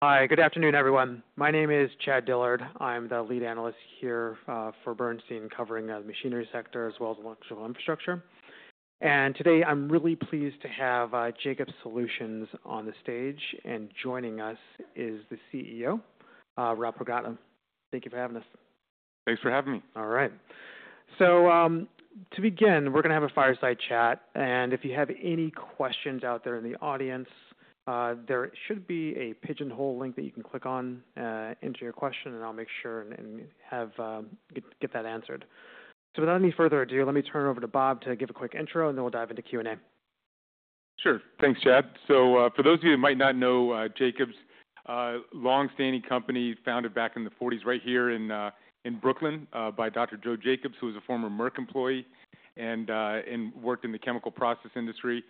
Hi, good afternoon, everyone. My name is Chad Dillard. I'm the lead analyst here for Bernstein covering the machinery sector as well as electrical infrastructure. Today I'm really pleased to have Jacobs Solutions on the stage. Joining us is the CEO, Bob Pragada. Thank you for having us. Thanks for having me. All right. To begin, we're going to have a fireside chat. If you have any questions out there in the audience, there should be a pigeonhole link that you can click on into your question, and I'll make sure and have get that answered. Without any further ado, let me turn it over to Bob to give a quick intro, and then we'll dive into Q&A. Sure. Thanks, Chad. For those of you who might not know, Jacobs is a long-standing company founded back in the 1940s right here in Brooklyn by Dr. Joe Jacobs, who was a former Merck employee and worked in the chemical process industry.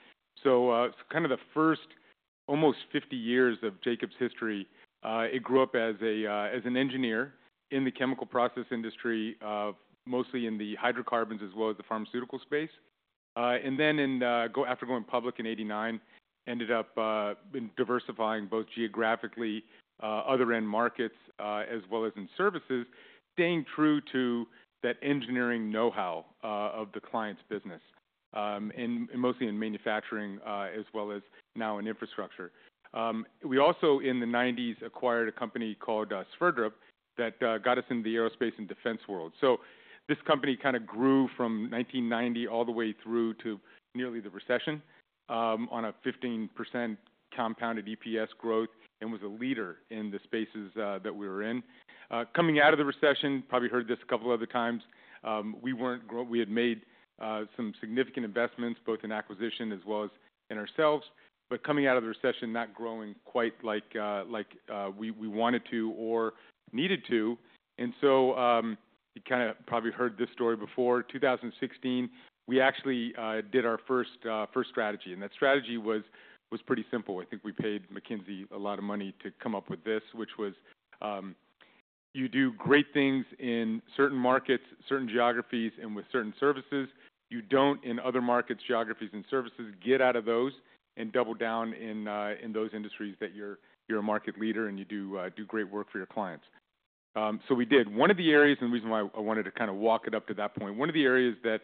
Kind of the first almost 50 years of Jacobs' history, it grew up as an engineer in the chemical process industry, mostly in the hydrocarbons as well as the pharmaceutical space. After going public in 1989, ended up diversifying both geographically, other end markets, as well as in services, staying true to that engineering know-how of the client's business, and mostly in manufacturing as well as now in infrastructure. We also, in the 1990s, acquired a company called Sverdrup that got us into the aerospace and defense world. This company kind of grew from 1990 all the way through to nearly the recession on a 15% compounded EPS growth and was a leader in the spaces that we were in. Coming out of the recession, probably heard this a couple of other times, we had made some significant investments both in acquisition as well as in ourselves. Coming out of the recession, not growing quite like we wanted to or needed to. You kind of probably heard this story before. In 2016, we actually did our first strategy. That strategy was pretty simple. I think we paid McKinsey a lot of money to come up with this, which was, you do great things in certain markets, certain geographies, and with certain services. You do not, in other markets, geographies, and services, get out of those and double down in those industries that you are a market leader and you do great work for your clients. So we did. One of the areas, and the reason why I wanted to kind of walk it up to that point, one of the areas that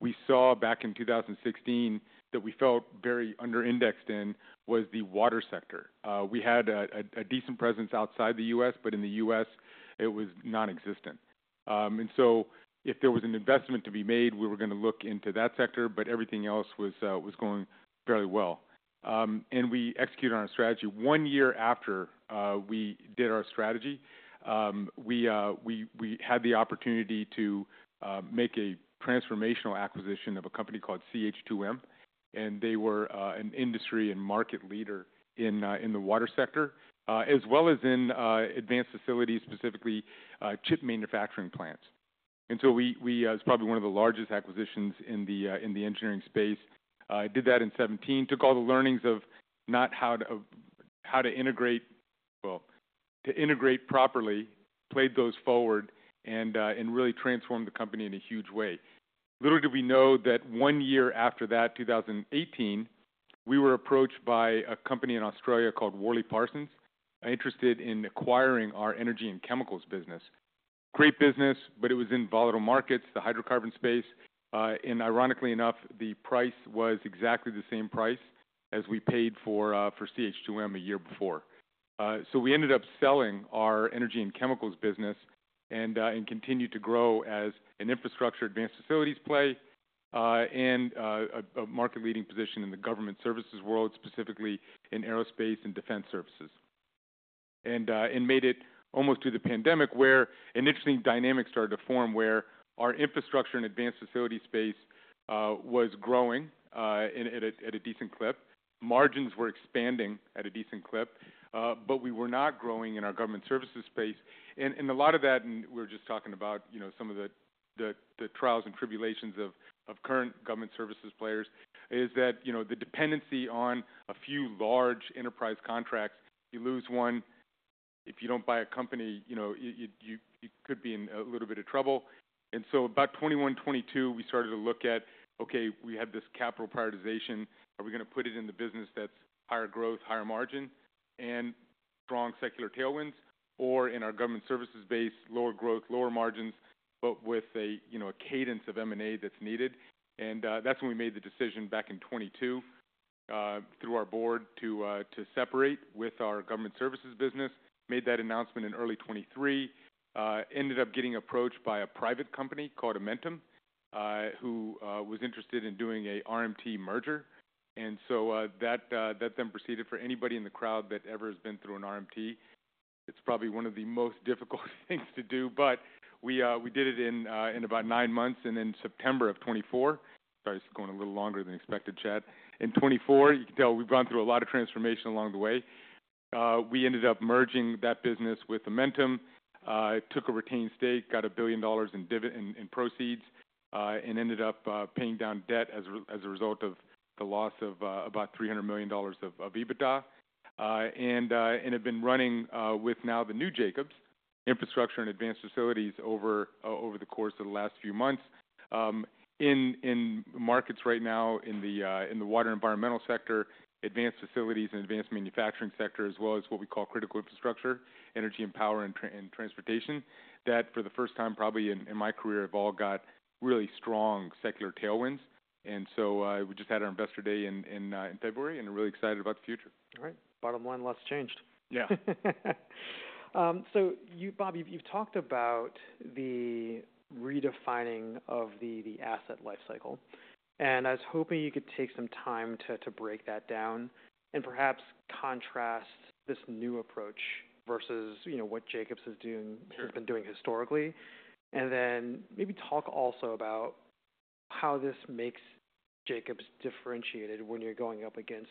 we saw back in 2016 that we felt very underindexed in was the water sector. We had a decent presence outside the U.S., but in the U.S., it was nonexistent. If there was an investment to be made, we were going to look into that sector. Everything else was going fairly well. We executed on our strategy. One year after we did our strategy, we had the opportunity to make a transformational acquisition of a company called CH2M. They were an industry and market leader in the water sector as well as in advanced facilities, specifically chip manufacturing plants. It was probably one of the largest acquisitions in the engineering space. I did that in 2017, took all the learnings of not how to integrate properly, played those forward, and really transformed the company in a huge way. Little did we know that one year after that, 2018, we were approached by a company in Australia called Worley Parsons interested in acquiring our energy and chemicals business. Great business, but it was in volatile markets, the hydrocarbon space. Ironically enough, the price was exactly the same price as we paid for CH2M a year before. We ended up selling our energy and chemicals business and continued to grow as an infrastructure advanced facilities play and a market-leading position in the government services world, specifically in aerospace and defense services. Made it almost through the pandemic where an interesting dynamic started to form where our infrastructure and advanced facility space was growing at a decent clip. Margins were expanding at a decent clip. We were not growing in our government services space. A lot of that, and we were just talking about some of the trials and tribulations of current government services players, is that the dependency on a few large enterprise contracts. You lose one. If you do not buy a company, you could be in a little bit of trouble. About 2021, 2022, we started to look at, okay, we have this capital prioritization. Are we going to put it in the business that's higher growth, higher margin, and strong secular tailwinds, or in our government services base, lower growth, lower margins, but with a cadence of M&A that's needed? That is when we made the decision back in 2022 through our board to separate with our government services business. Made that announcement in early 2023. Ended up getting approached by a private company called Amentum, who was interested in doing an RMT merger. That then proceeded. For anybody in the crowd that ever has been through an RMT, it's probably one of the most difficult things to do. We did it in about nine months and in September of 2024. Sorry, this is going a little longer than expected, Chad. In 2024, you can tell we've gone through a lot of transformation along the way. We ended up merging that business with Amentum. Took a retained stake, got a billion dollars in proceeds, and ended up paying down debt as a result of the loss of about $300 million of EBITDA. Have been running with now the new Jacobs Infrastructure and Advanced Facilities over the course of the last few months. In markets right now in the water environmental sector, advanced facilities and advanced manufacturing sector, as well as what we call critical infrastructure, energy and power and transportation, that for the first time probably in my career have all got really strong secular tailwinds. We just had our investor day in February and are really excited about the future. All right. Bottom line, lots changed. Yeah. Bob, you've talked about the redefining of the asset lifecycle. I was hoping you could take some time to break that down and perhaps contrast this new approach versus what Jacobs has been doing historically. Maybe talk also about how this makes Jacobs differentiated when you're going up against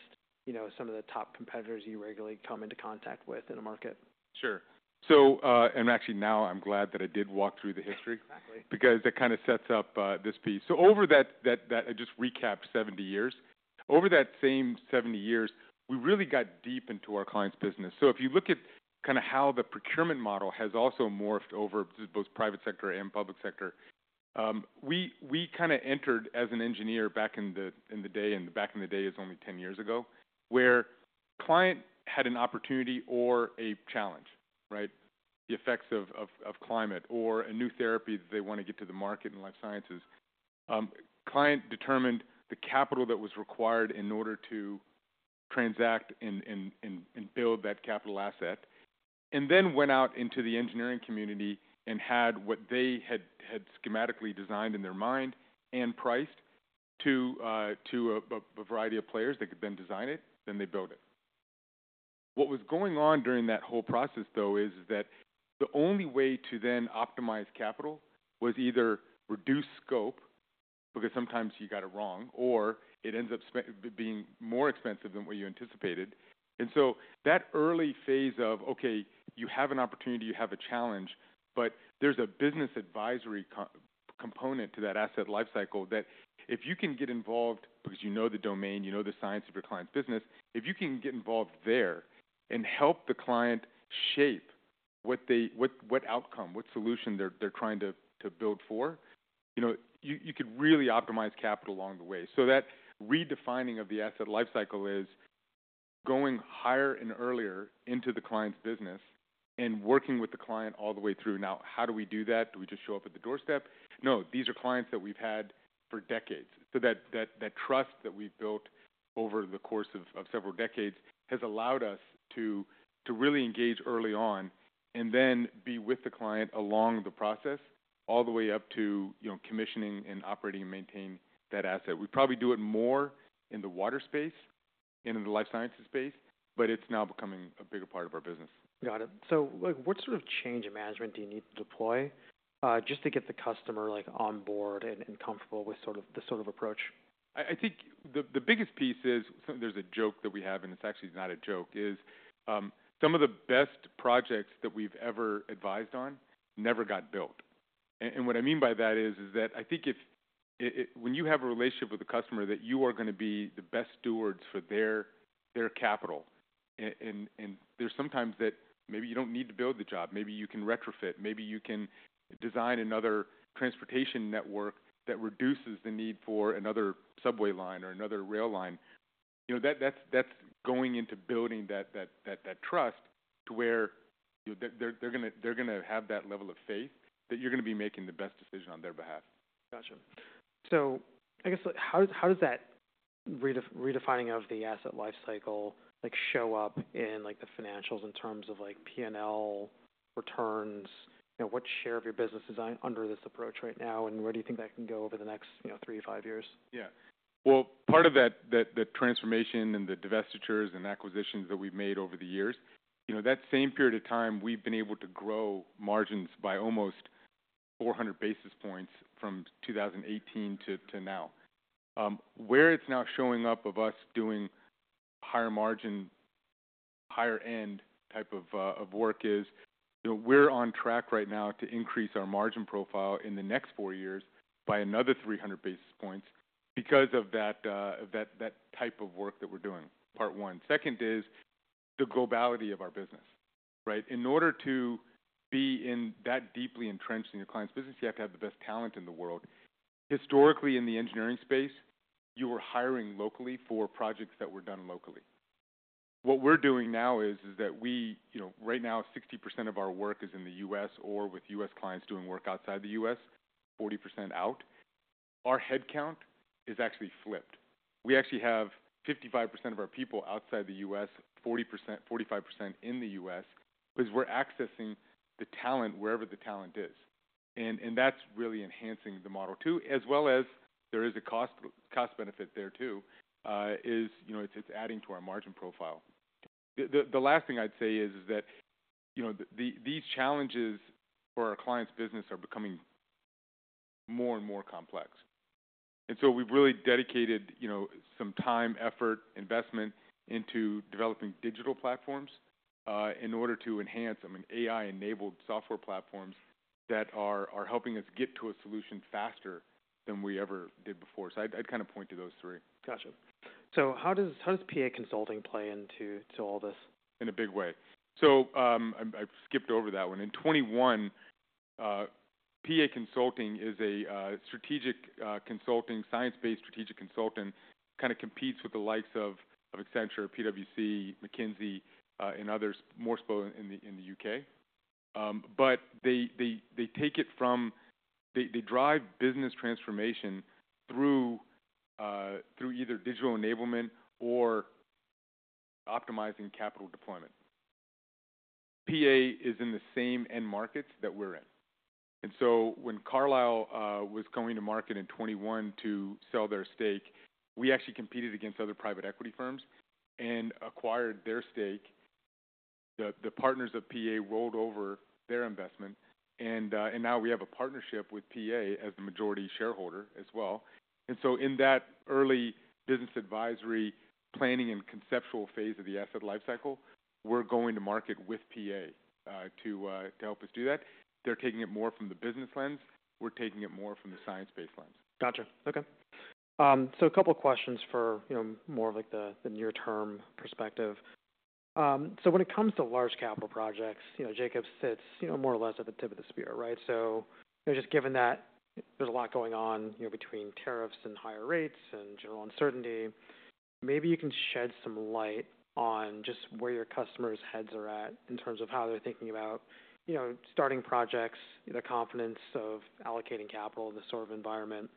some of the top competitors you regularly come into contact with in the market. Sure. Actually, now I'm glad that I did walk through the history because it kind of sets up this piece. Over that, I just recapped 70 years. Over that same 70 years, we really got deep into our client's business. If you look at kind of how the procurement model has also morphed over both private sector and public sector, we kind of entered as an engineer back in the day, and back in the day is only 10 years ago, where client had an opportunity or a challenge, right? The effects of climate or a new therapy that they want to get to the market in life sciences. Client determined the capital that was required in order to transact and build that capital asset, and then went out into the engineering community and had what they had schematically designed in their mind and priced to a variety of players that could then design it, then they built it. What was going on during that whole process, though, is that the only way to then optimize capital was either reduce scope because sometimes you got it wrong, or it ends up being more expensive than what you anticipated. That early phase of, okay, you have an opportunity, you have a challenge, but there's a business advisory component to that asset lifecycle that if you can get involved because you know the domain, you know the science of your client's business, if you can get involved there and help the client shape what outcome, what solution they're trying to build for, you could really optimize capital along the way. That redefining of the asset lifecycle is going higher and earlier into the client's business and working with the client all the way through. Now, how do we do that? Do we just show up at the doorstep? No, these are clients that we've had for decades. That trust that we've built over the course of several decades has allowed us to really engage early on and then be with the client along the process all the way up to commissioning and operating and maintaining that asset. We probably do it more in the water space and in the life sciences space, but it's now becoming a bigger part of our business. Got it. What sort of change management do you need to deploy just to get the customer on board and comfortable with sort of this sort of approach? I think the biggest piece is there's a joke that we have, and it's actually not a joke, is some of the best projects that we've ever advised on never got built. What I mean by that is that I think when you have a relationship with a customer that you are going to be the best stewards for their capital. There's sometimes that maybe you don't need to build the job. Maybe you can retrofit. Maybe you can design another transportation network that reduces the need for another subway line or another rail line. That is going into building that trust to where they're going to have that level of faith that you're going to be making the best decision on their behalf. Gotcha. I guess how does that redefining of the asset lifecycle show up in the financials in terms of P&L returns? What share of your business is under this approach right now, and where do you think that can go over the next three to five years? Yeah. Part of that transformation and the divestitures and acquisitions that we've made over the years, that same period of time, we've been able to grow margins by almost 400 basis points from 2018 to now. Where it's now showing up of us doing higher margin, higher-end type of work is we're on track right now to increase our margin profile in the next four years by another 300 basis points because of that type of work that we're doing, part one. Second is the globality of our business, right? In order to be that deeply entrenched in your client's business, you have to have the best talent in the world. Historically, in the engineering space, you were hiring locally for projects that were done locally. What we're doing now is that right now, 60% of our work is in the U.S. or with U.S. clients doing work outside the U.S., 40% out. Our headcount is actually flipped. We actually have 55% of our people outside the U.S., 45% in the U.S. because we're accessing the talent wherever the talent is. And that's really enhancing the model too, as well as there is a cost benefit there too, is it's adding to our margin profile. The last thing I'd say is that these challenges for our client's business are becoming more and more complex. And so we've really dedicated some time, effort, investment into developing digital platforms in order to enhance, I mean, AI-enabled software platforms that are helping us get to a solution faster than we ever did before. So I'd kind of point to those three. Gotcha. So how does PA Consulting play into all this? In a big way. I've skipped over that one. In 2021, PA Consulting is a strategic consulting, science-based strategic consultant, kind of competes with the likes of Accenture, PwC, McKinsey, and others, more so in the U.K. They take it from they drive business transformation through either digital enablement or optimizing capital deployment. PA is in the same end markets that we're in. When Carlyle was going to market in 2021 to sell their stake, we actually competed against other private equity firms and acquired their stake. The partners of PA rolled over their investment. Now we have a partnership with PA as the majority shareholder as well. In that early business advisory planning and conceptual phase of the asset lifecycle, we're going to market with PA to help us do that. They're taking it more from the business lens. We're taking it more from the science-based lens. Gotcha. Okay. A couple of questions for more of the near-term perspective. When it comes to large capital projects, Jacobs sits more or less at the tip of the spear, right? Just given that there's a lot going on between tariffs and higher rates and general uncertainty, maybe you can shed some light on just where your customers' heads are at in terms of how they're thinking about starting projects, the confidence of allocating capital in this sort of environment.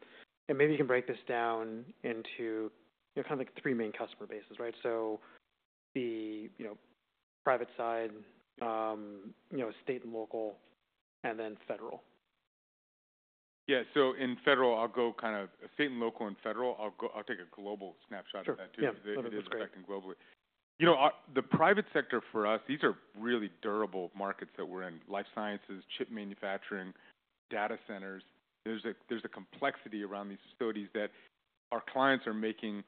Maybe you can break this down into kind of three main customer bases, right? The private side, state and local, and then federal. Yeah. In federal, I'll go kind of state and local and federal. I'll take a global snapshot of that too because it is affecting globally. The private sector for us, these are really durable markets that we're in: life sciences, chip manufacturing, data centers. There's a complexity around these facilities that our clients are making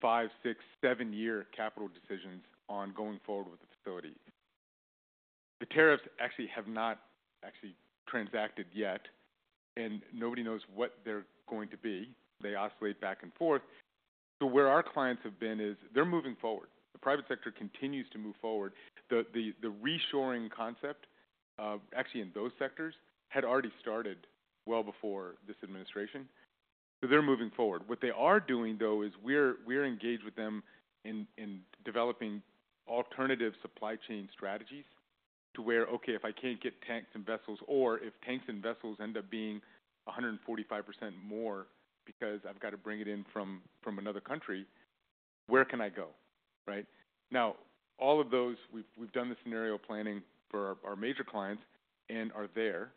five, six, seven-year capital decisions on going forward with the facility. The tariffs actually have not actually transacted yet, and nobody knows what they're going to be. They oscillate back and forth. Where our clients have been is they're moving forward. The private sector continues to move forward. The reshoring concept actually in those sectors had already started well before this administration. They're moving forward. What they are doing, though, is we're engaged with them in developing alternative supply chain strategies to where, okay, if I can't get tanks and vessels, or if tanks and vessels end up being 145% more because I've got to bring it in from another country, where can I go, right? Now, all of those, we've done the scenario planning for our major clients and are there,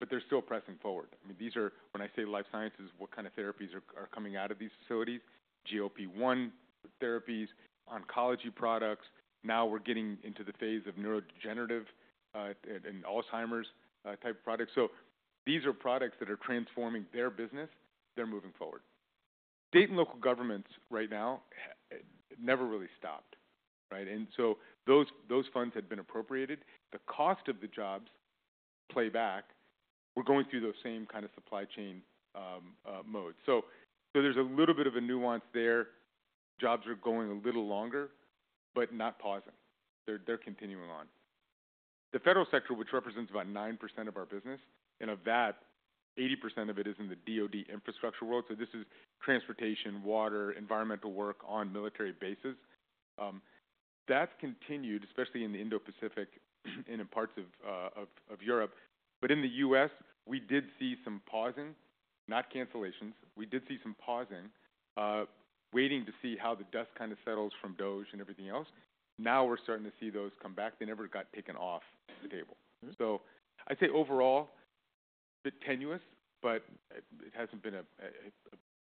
but they're still pressing forward. I mean, these are when I say life sciences, what kind of therapies are coming out of these facilities? GLP-1 therapies, oncology products. Now we're getting into the phase of neurodegenerative and Alzheimer's type products. These are products that are transforming their business. They're moving forward. State and local governments right now never really stopped, right? Those funds had been appropriated. The cost of the jobs play back. We're going through those same kind of supply chain modes. So there's a little bit of a nuance there. Jobs are going a little longer, but not pausing. They're continuing on. The federal sector, which represents about 9% of our business, and of that, 80% of it is in the DoD infrastructure world. So this is transportation, water, environmental work on military bases. That's continued, especially in the Indo-Pacific and in parts of Europe. In the U.S., we did see some pausing, not cancellations. We did see some pausing, waiting to see how the dust kind of settles from DoD and everything else. Now we're starting to see those come back. They never got taken off the table. I'd say overall, a bit tenuous, but it hasn't been a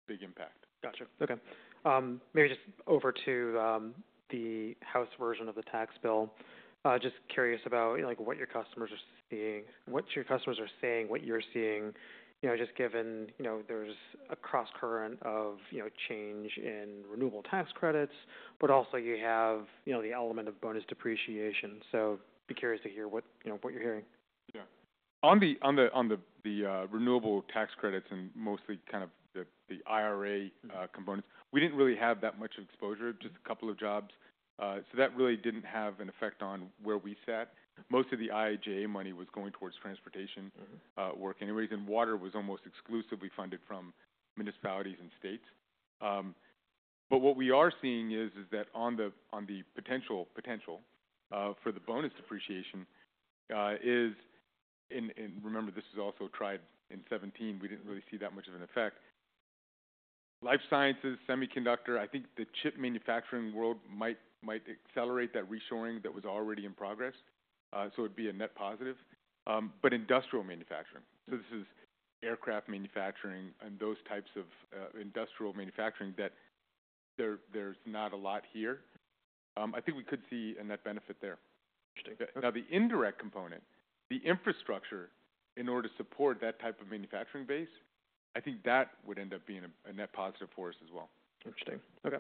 big impact. Gotcha. Okay. Maybe just over to the House version of the tax bill. Just curious about what your customers are seeing. What your customers are saying, what you're seeing, just given there's a cross-current of change in renewable tax credits, but also you have the element of bonus depreciation. Be curious to hear what you're hearing. Yeah. On the renewable tax credits and mostly kind of the IRA components, we did not really have that much exposure, just a couple of jobs. That really did not have an effect on where we sat. Most of the IIJA money was going towards transportation work anyways, and water was almost exclusively funded from municipalities and states. What we are seeing is that on the potential for the bonus depreciation is, and remember, this was also tried in 2017, we did not really see that much of an effect. Life sciences, semiconductor, I think the chip manufacturing world might accelerate that reshoring that was already in progress. It would be a net positive. Industrial manufacturing, this is aircraft manufacturing and those types of industrial manufacturing, there is not a lot here. I think we could see a net benefit there. Interesting. Now, the indirect component, the infrastructure in order to support that type of manufacturing base, I think that would end up being a net positive for us as well. Interesting. Okay.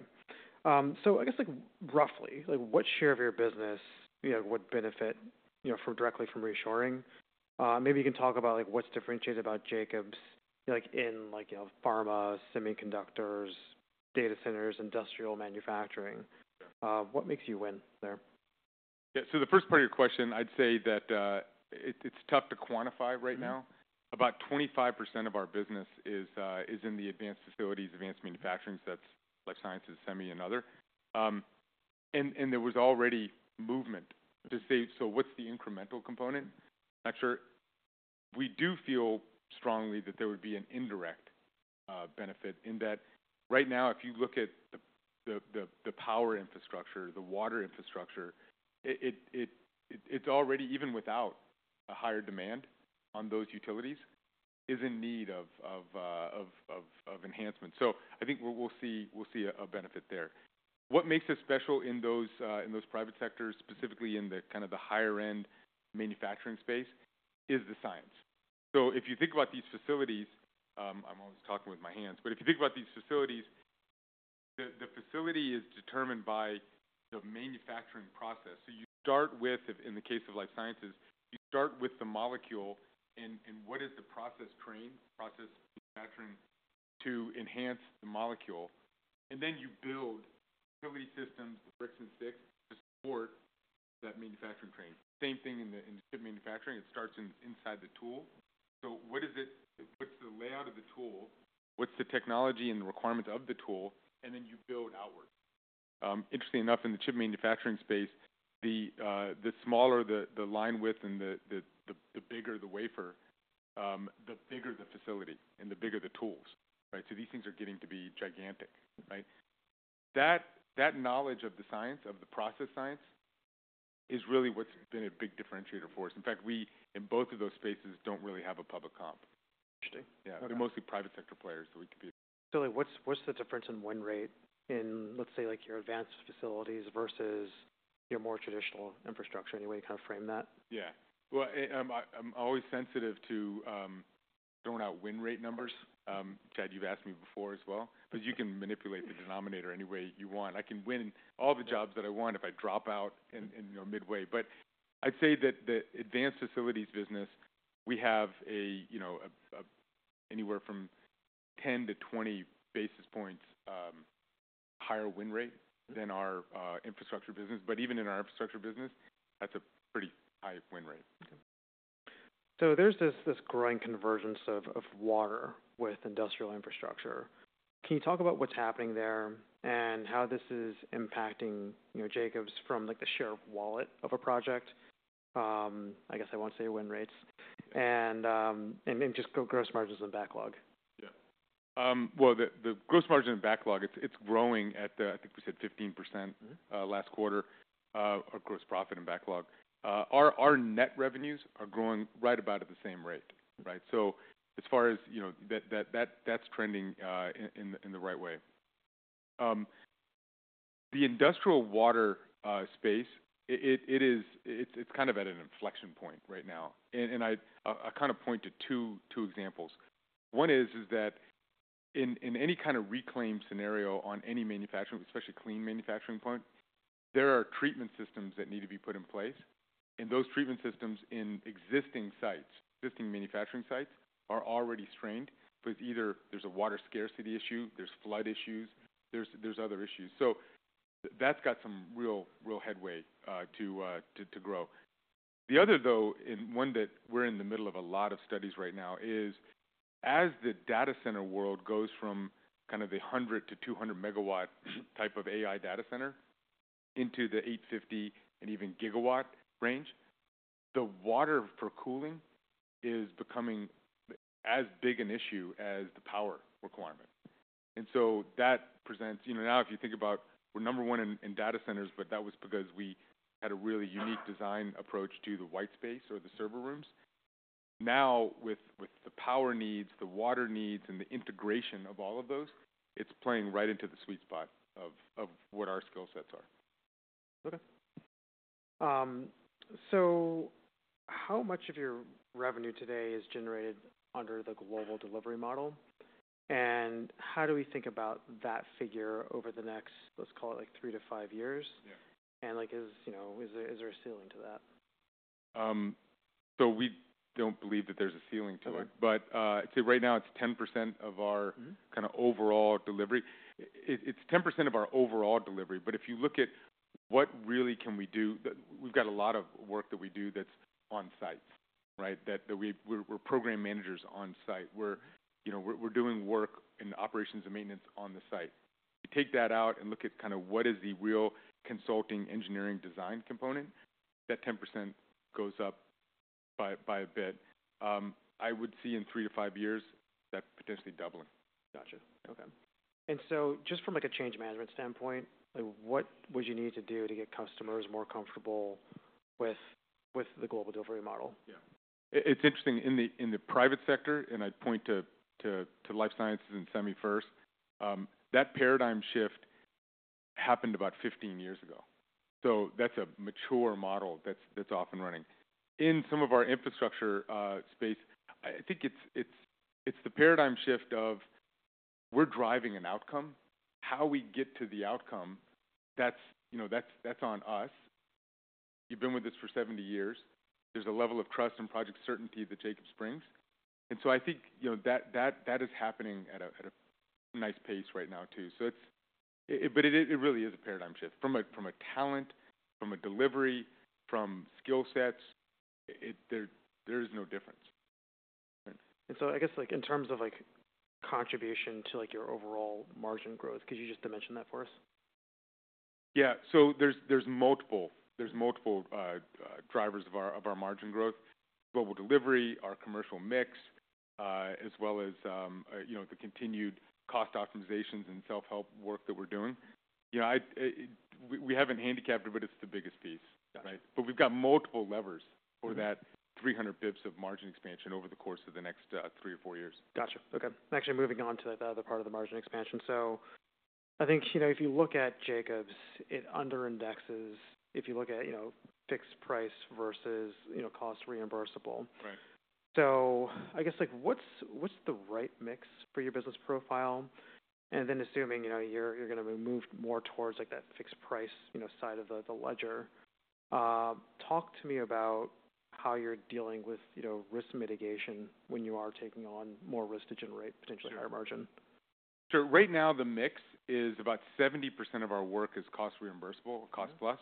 I guess roughly, what share of your business would benefit directly from reshoring? Maybe you can talk about what's differentiated about Jacobs in pharma, semiconductors, data centers, industrial manufacturing. What makes you win there? Yeah. The first part of your question, I'd say that it's tough to quantify right now. About 25% of our business is in the advanced facilities, advanced manufacturing sets, life sciences, semi, and other. There was already movement to say, what's the incremental component? Not sure. We do feel strongly that there would be an indirect benefit in that right now, if you look at the power infrastructure, the water infrastructure, it's already, even without a higher demand on those utilities, in need of enhancement. I think we'll see a benefit there. What makes it special in those private sectors, specifically in the higher-end manufacturing space, is the science. If you think about these facilities, I'm always talking with my hands, but if you think about these facilities, the facility is determined by the manufacturing process. You start with, in the case of life sciences, you start with the molecule and what is the process train, process manufacturing to enhance the molecule. Then you build utility systems, bricks and sticks to support that manufacturing train. Same thing in the chip manufacturing. It starts inside the tool. What is it? What's the layout of the tool? What's the technology and the requirements of the tool? Then you build outward. Interestingly enough, in the chip manufacturing space, the smaller the line width and the bigger the wafer, the bigger the facility and the bigger the tools, right? These things are getting to be gigantic, right? That knowledge of the science, of the process science, is really what's been a big differentiator for us. In fact, we in both of those spaces do not really have a public comp. Interesting. Yeah. They're mostly private sector players that we compete. What's the difference in win rate in, let's say, your advanced facilities versus your more traditional infrastructure anyway? You kind of frame that? Yeah. I'm always sensitive to throwing out win rate numbers. Chad, you've asked me before as well, but you can manipulate the denominator any way you want. I can win all the jobs that I want if I drop out midway. I'd say that the advanced facilities business, we have anywhere from 10-20 basis points higher win rate than our infrastructure business. Even in our infrastructure business, that's a pretty high win rate. There is this growing convergence of water with industrial infrastructure. Can you talk about what is happening there and how this is impacting Jacobs from the share of wallet of a project? I guess I will not say win rates and just gross margins and backlog. Yeah. The gross margin and backlog, it's growing at the, I think we said 15% last quarter of gross profit and backlog. Our net revenues are growing right about at the same rate, right? As far as that's trending in the right way. The industrial water space, it's kind of at an inflection point right now. I kind of point to two examples. One is that in any kind of reclaim scenario on any manufacturing, especially clean manufacturing point, there are treatment systems that need to be put in place. Those treatment systems in existing sites, existing manufacturing sites are already strained, but either there's a water scarcity issue, there's flood issues, there's other issues. That's got some real headway to grow. The other, though, and one that we're in the middle of a lot of studies right now is, as the data center world goes from kind of the 100-200 MW type of AI data center into the 850 and even GW range, the water for cooling is becoming as big an issue as the power requirement. That presents, now if you think about we're number one in data centers, but that was because we had a really unique design approach to the white space or the server rooms. Now, with the power needs, the water needs, and the integration of all of those, it's playing right into the sweet spot of what our skill sets are. Okay. So how much of your revenue today is generated under the global delivery model? And how do we think about that figure over the next, let's call it like three to five years? And is there a ceiling to that? We do not believe that there is a ceiling to it. I would say right now it is 10% of our overall delivery. It is 10% of our overall delivery. If you look at what really can we do, we have a lot of work that we do that is on sites, right? We are program managers on site. We are doing work in operations and maintenance on the site. If we take that out and look at what is the real consulting, engineering, design component, that 10% goes up by a bit. I would see in three to five years that potentially doubling. Gotcha. Okay. And so just from a change management standpoint, what would you need to do to get customers more comfortable with the global delivery model? Yeah. It's interesting. In the private sector, and I'd point to life sciences and semi-first, that paradigm shift happened about 15 years ago. So that's a mature model that's off and running. In some of our infrastructure space, I think it's the paradigm shift of we're driving an outcome. How we get to the outcome, that's on us. You've been with us for 70 years. There's a level of trust and project certainty that Jacobs brings. I think that is happening at a nice pace right now too. It really is a paradigm shift from a talent, from a delivery, from skill sets. There is no difference. I guess in terms of contribution to your overall margin growth, could you just mention that for us? Yeah. There are multiple drivers of our margin growth: global delivery, our commercial mix, as well as the continued cost optimizations and self-help work that we are doing. We have not handicapped it, but it is the biggest piece, right? We have multiple levers for that 300 basis points of margin expansion over the course of the next three or four years. Gotcha. Okay. Actually, moving on to the other part of the margin expansion. I think if you look at Jacobs, it underindexes. If you look at fixed price versus cost reimbursable. I guess what's the right mix for your business profile? Assuming you're going to move more towards that fixed price side of the ledger, talk to me about how you're dealing with risk mitigation when you are taking on more risk to generate potentially higher margin. Right now, the mix is about 70% of our work is cost reimbursable, cost plus,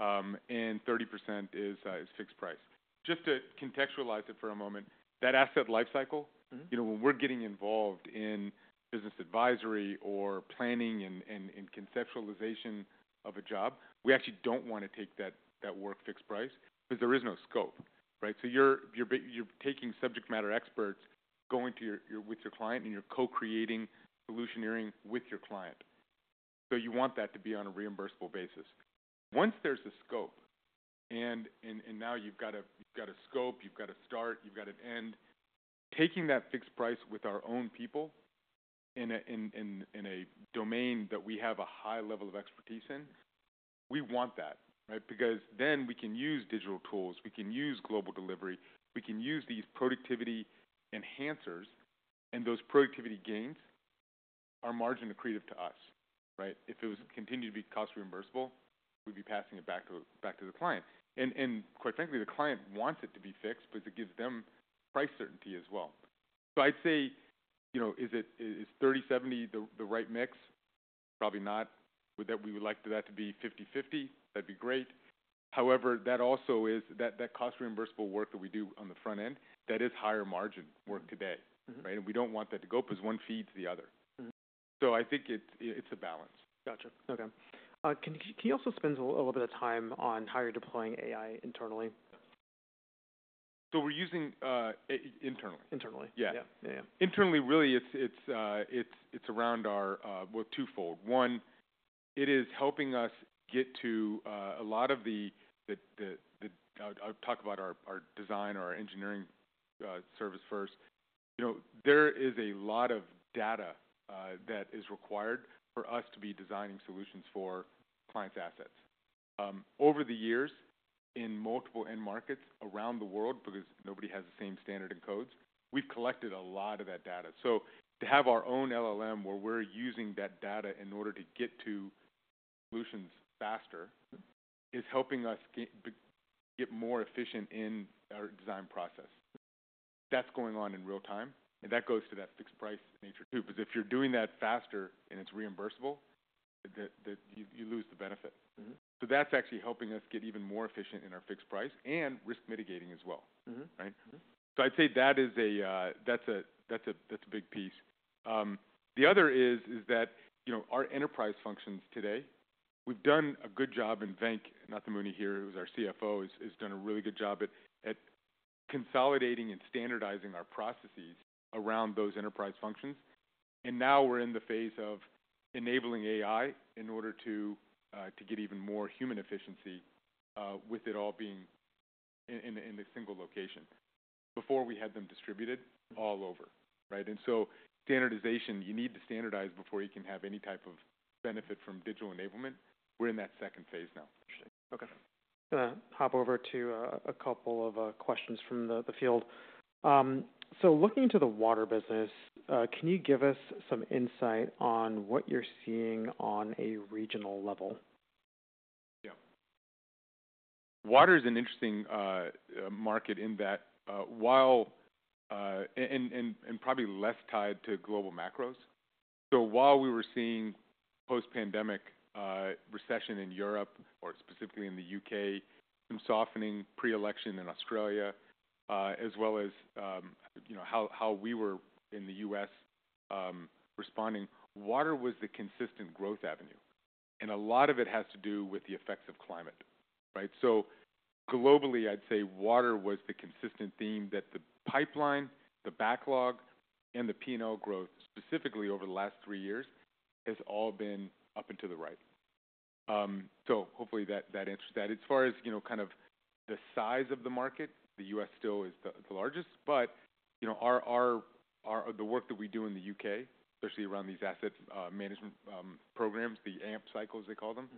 and 30% is fixed price. Just to contextualize it for a moment, that asset life cycle, when we're getting involved in business advisory or planning and conceptualization of a job, we actually don't want to take that work fixed price because there is no scope, right? You're taking subject matter experts going with your client and you're co-creating solutionering with your client. You want that to be on a reimbursable basis. Once there's a scope, and now you've got a scope, you've got a start, you've got an end, taking that fixed price with our own people in a domain that we have a high level of expertise in, we want that, right? Because then we can use digital tools, we can use global delivery, we can use these productivity enhancers, and those productivity gains are margin accretive to us, right? If it was continued to be cost reimbursable, we'd be passing it back to the client. Quite frankly, the client wants it to be fixed, but it gives them price certainty as well. I'd say, is 30/70 the right mix? Probably not. Would we like that to be 50/50? That'd be great. However, that also is that cost reimbursable work that we do on the front end, that is higher margin work today, right? We don't want that to go because one feeds the other. I think it's a balance. Gotcha. Okay. Can you also spend a little bit of time on how you're deploying AI internally? We're using internally. Internally. Yeah. Yeah. Internally, really, it's around our, well, twofold. One, it is helping us get to a lot of the, I'll talk about our design or our engineering service first. There is a lot of data that is required for us to be designing solutions for clients' assets. Over the years, in multiple end markets around the world, because nobody has the same standard and codes, we've collected a lot of that data. To have our own LLM where we're using that data in order to get to solutions faster is helping us get more efficient in our design process. That's going on in real time. That goes to that fixed price nature too. If you're doing that faster and it's reimbursable, you lose the benefit. That's actually helping us get even more efficient in our fixed price and risk mitigating as well, right? I'd say that's a big piece. The other is that our enterprise functions today, we've done a good job and Venk Nathamuni here, who's our CFO, has done a really good job at consolidating and standardizing our processes around those enterprise functions. Now we're in the phase of enabling AI in order to get even more human efficiency with it all being in a single location. Before, we had them distributed all over, right? Standardization, you need to standardize before you can have any type of benefit from digital enablement. We're in that second phase now. Interesting. Okay. I'm going to hop over to a couple of questions from the field. Looking to the water business, can you give us some insight on what you're seeing on a regional level? Yeah. Water is an interesting market in that, while and probably less tied to global macros. While we were seeing post-pandemic recession in Europe, or specifically in the U.K., some softening pre-election in Australia, as well as how we were in the U.S. responding, water was the consistent growth avenue. A lot of it has to do with the effects of climate, right? Globally, I'd say water was the consistent theme that the pipeline, the backlog, and the P&L growth, specifically over the last three years, has all been up and to the right. Hopefully that answers that. As far as kind of the size of the market, the U.S. still is the largest, but the work that we do in the U.K., especially around these asset management programs, the AMP cycles, they call them,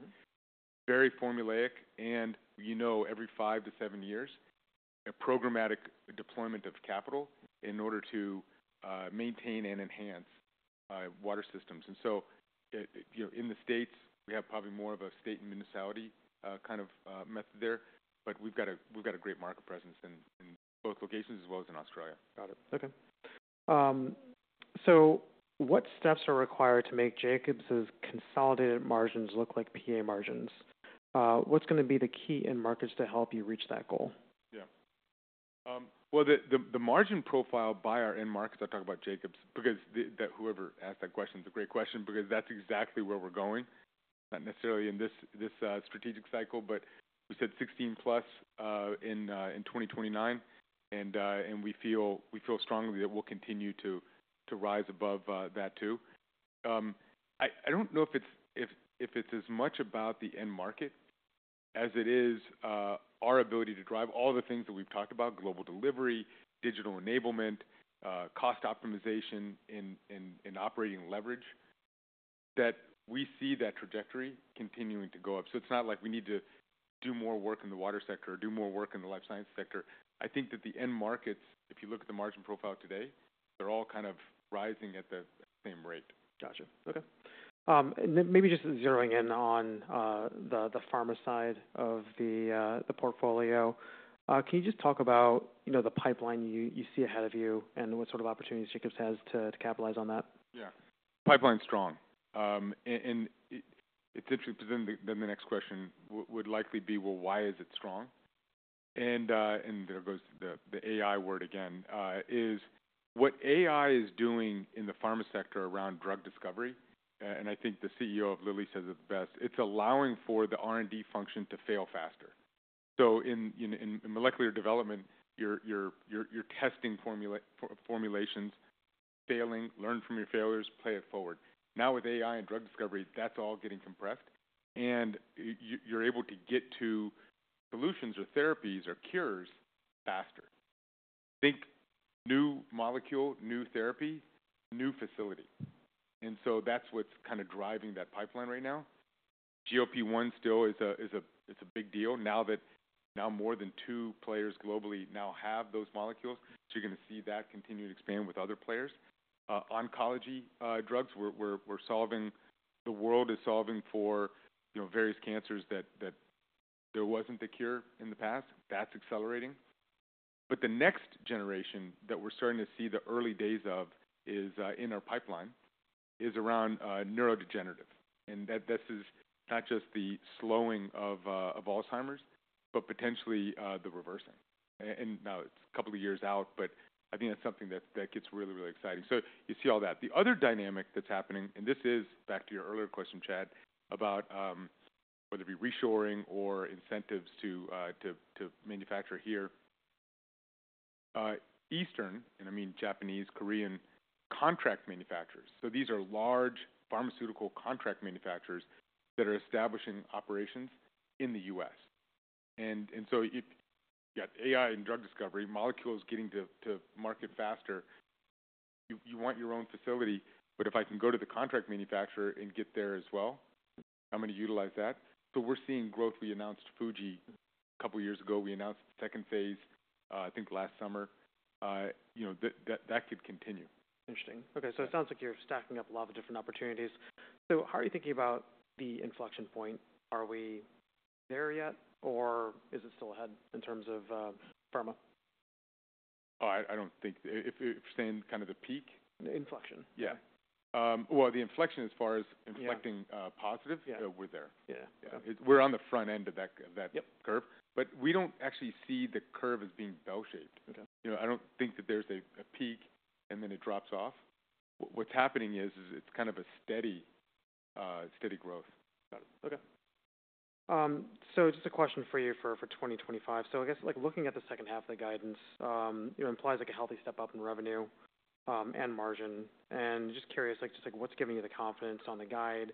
very formulaic. Every five to seven years, a programmatic deployment of capital in order to maintain and enhance water systems. In the U.S., we have probably more of a state and municipality kind of method there, but we've got a great market presence in both locations as well as in Australia. Got it. Okay. So what steps are required to make Jacobs' consolidated margins look like PA margins? What's going to be the key in markets to help you reach that goal? Yeah. The margin profile by our end markets, I talk about Jacobs because whoever asked that question is a great question because that's exactly where we're going, not necessarily in this strategic cycle, but we said 16% plus in 2029. We feel strongly that we'll continue to rise above that too. I don't know if it's as much about the end market as it is our ability to drive all the things that we've talked about: global delivery, digital enablement, cost optimization, and operating leverage, that we see that trajectory continuing to go up. It's not like we need to do more work in the water sector or do more work in the life sciences sector. I think that the end markets, if you look at the margin profile today, they're all kind of rising at the same rate. Gotcha. Okay. Maybe just zeroing in on the pharma side of the portfolio, can you just talk about the pipeline you see ahead of you and what sort of opportunities Jacobs has to capitalize on that? Yeah. Pipeline's strong. It's interesting because the next question would likely be, why is it strong? There goes the AI word again, is what AI is doing in the pharma sector around drug discovery, and I think the CEO of Lilly says it the best, it's allowing for the R&D function to fail faster. In molecular development, you're testing formulations, failing, learn from your failures, play it forward. Now with AI and drug discovery, that's all getting compressed, and you're able to get to solutions or therapies or cures faster. Think new molecule, new therapy, new facility. That's what's kind of driving that pipeline right now. GLP-1 still is a big deal now that more than two players globally now have those molecules. You're going to see that continue to expand with other players. Oncology drugs, we're solving; the world is solving for various cancers that there wasn't a cure in the past. That's accelerating. The next generation that we're starting to see the early days of is in our pipeline, is around neurodegenerative. This is not just the slowing of Alzheimer's, but potentially the reversing. It is a couple of years out, but I think that's something that gets really, really exciting. You see all that. The other dynamic that's happening, and this is back to your earlier question, Chad, about whether it be reshoring or incentives to manufacture here, Eastern, and I mean Japanese, Korean contract manufacturers. These are large pharmaceutical contract manufacturers that are establishing operations in the U.S. You got AI and drug discovery, molecules getting to market faster. You want your own facility, but if I can go to the contract manufacturer and get there as well, I'm going to utilize that. We are seeing growth. We announced Fuji a couple of years ago. We announced the second phase, I think last summer. That could continue. Interesting. Okay. It sounds like you're stacking up a lot of different opportunities. How are you thinking about the inflection point? Are we there yet, or is it still ahead in terms of pharma? Oh, I don't think if we're staying kind of the peak. The inflection. Yeah. The inflection, as far as inflecting positive, we're there. We're on the front end of that curve, but we don't actually see the curve as being bell-shaped. I don't think that there's a peak and then it drops off. What's happening is it's kind of a steady growth. Got it. Okay. Just a question for you for 2025. I guess looking at the second half of the guidance, it implies a healthy step up in revenue and margin. Just curious, what's giving you the confidence on the guide?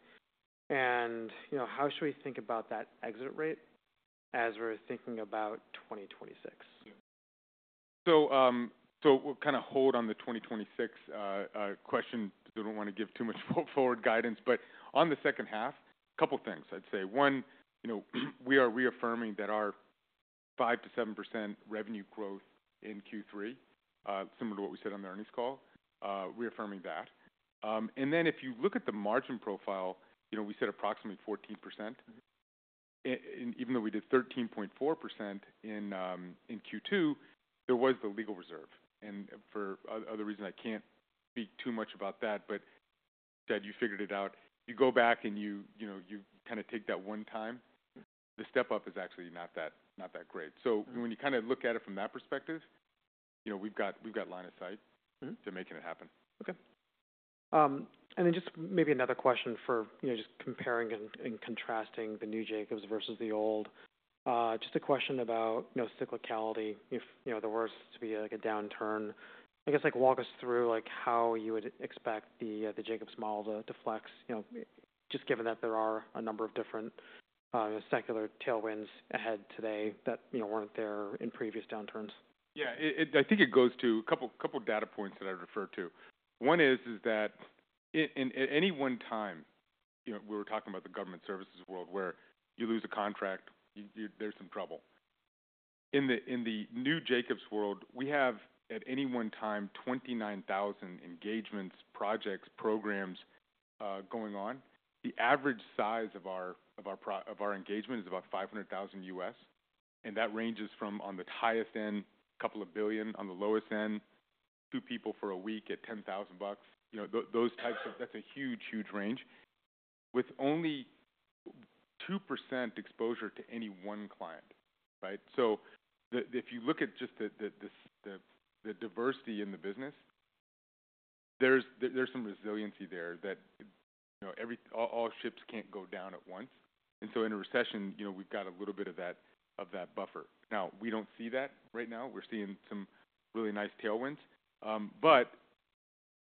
How should we think about that exit rate as we're thinking about 2026? We'll kind of hold on the 2026 question because I do not want to give too much forward guidance. On the second half, a couple of things I would say. One, we are reaffirming that our 5%-7% revenue growth in Q3, similar to what we said on the earnings call, reaffirming that. If you look at the margin profile, we said approximately 14%. Even though we did 13.4% in Q2, there was the legal reserve. For other reasons, I cannot speak too much about that, but Chad, you figured it out. You go back and you kind of take that one time, the step up is actually not that great. When you kind of look at it from that perspective, we have got line of sight to making it happen. Okay. Just maybe another question for just comparing and contrasting the new Jacobs versus the old. Just a question about cyclicality, if there were to be a downturn. I guess walk us through how you would expect the Jacobs model to flex, just given that there are a number of different secular tailwinds ahead today that were not there in previous downturns. Yeah. I think it goes to a couple of data points that I'd refer to. One is that at any one time, we were talking about the government services world where you lose a contract, there's some trouble. In the new Jacobs world, we have at any one time 29,000 engagements, projects, programs going on. The average size of our engagement is about $500,000, and that ranges from on the highest end, a couple of billion, on the lowest end, two people for a week at $10,000. Those types of, that's a huge, huge range with only 2% exposure to any one client, right? If you look at just the diversity in the business, there's some resiliency there that all ships can't go down at once. In a recession, we've got a little bit of that buffer. Now, we don't see that right now. We're seeing some really nice tailwinds.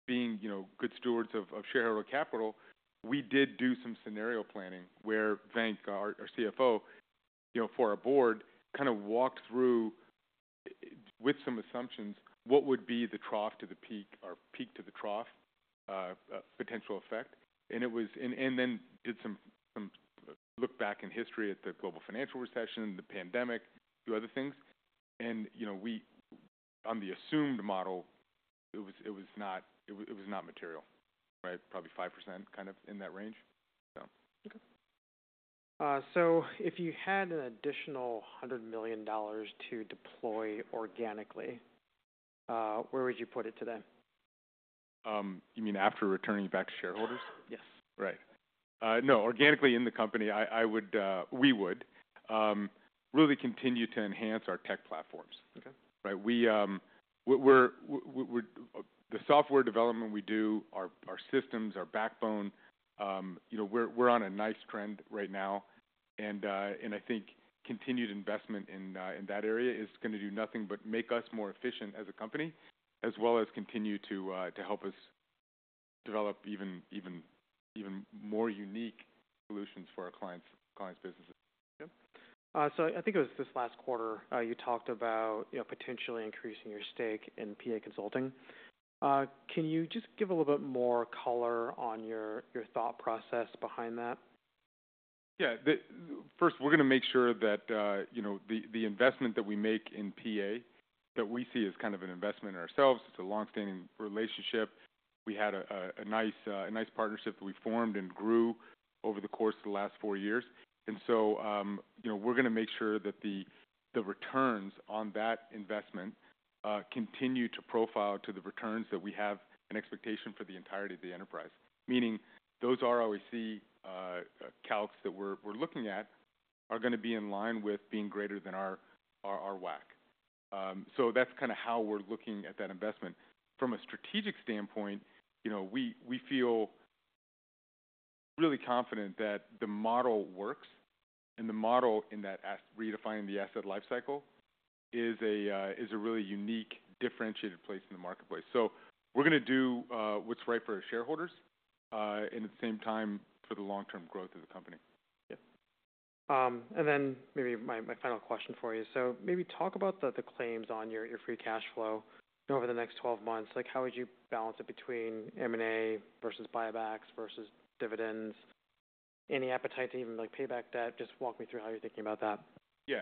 Being good stewards of shareholder capital, we did do some scenario planning where Venk, our CFO, for our board, kind of walked through with some assumptions, what would be the trough to the peak or peak to the trough potential effect. He did some look back in history at the global financial recession, the pandemic, a few other things. On the assumed model, it was not material, right? Probably 5% kind of in that range. Okay. If you had an additional $100 million to deploy organically, where would you put it today? You mean after returning it back to shareholders? Yes. Right. No, organically in the company, we would really continue to enhance our tech platforms, right? The software development we do, our systems, our backbone, we're on a nice trend right now. I think continued investment in that area is going to do nothing but make us more efficient as a company, as well as continue to help us develop even more unique solutions for our clients' businesses. Yep. I think it was this last quarter you talked about potentially increasing your stake in PA Consulting. Can you just give a little bit more color on your thought process behind that? Yeah. First, we're going to make sure that the investment that we make in PA, that we see as kind of an investment in ourselves. It's a long-standing relationship. We had a nice partnership that we formed and grew over the course of the last four years. We're going to make sure that the returns on that investment continue to profile to the returns that we have an expectation for the entirety of the enterprise. Meaning those ROIC calcs that we're looking at are going to be in line with being greater than our WAC. That's kind of how we're looking at that investment. From a strategic standpoint, we feel really confident that the model works, and the model in that redefining the asset lifecycle is a really unique, differentiated place in the marketplace. We're going to do what's right for our shareholders and at the same time for the long-term growth of the company. Yep. Maybe my final question for you. Maybe talk about the claims on your free cash flow over the next 12 months. How would you balance it between M&A versus buybacks versus dividends? Any appetite to even pay back debt? Just walk me through how you're thinking about that. Yeah.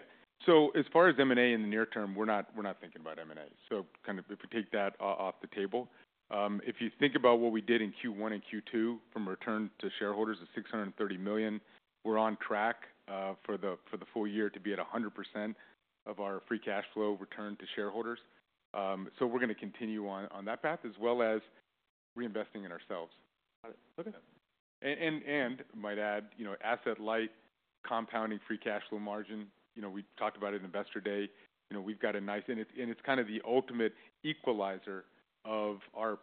As far as M&A in the near term, we're not thinking about M&A. If we take that off the table, if you think about what we did in Q1 and Q2 from return to shareholders of $630 million, we're on track for the full year to be at 100% of our free cash flow return to shareholders. We're going to continue on that path as well as reinvesting in ourselves. Got it. Okay. I might add asset light, compounding free cash flow margin. We talked about it in investor day. We have got a nice and it is kind of the ultimate equalizer of our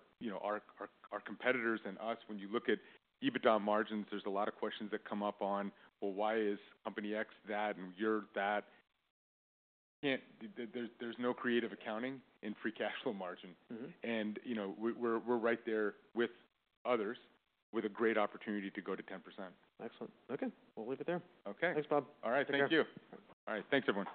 competitors and us. When you look at EBITDA margins, there are a lot of questions that come up on, well, why is company X that and you are that? There is no creative accounting in free cash flow margin. We are right there with others with a great opportunity to go to 10%. Excellent. Okay. We'll leave it there. Okay. Thanks, Bob. All right. Thank you. Thanks. All right. Thanks, everyone.